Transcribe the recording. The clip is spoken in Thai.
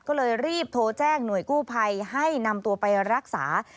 ก็เลยรีบโทรแจ้งหน่วยกู้ภัยให้นำตัวไปรักษา